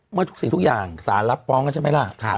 เมื่อทุกสิ่งทุกอย่างสารรับฟ้องกันใช่ไหมล่ะ